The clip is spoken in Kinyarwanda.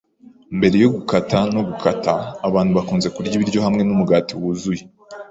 Mbere yo gukata no gukata, abantu bakunze kurya ibiryo hamwe numugati wuzuye.